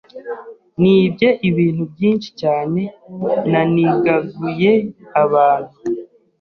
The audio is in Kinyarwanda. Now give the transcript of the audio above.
nibye ibintu byinshi cyane nanigaguye abantu